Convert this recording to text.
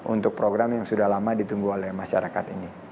untuk program yang sudah lama ditunggu oleh masyarakat ini